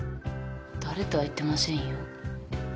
誰とは言ってませんよ。